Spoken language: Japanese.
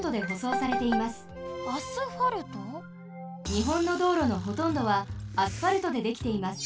日本の道路のほとんどはアスファルトでできています。